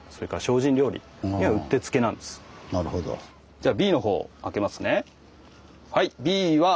じゃあＢのほう開けますね。